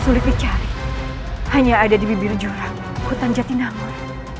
sulit dicari hanya ada di bibir jurang hutan jatinangor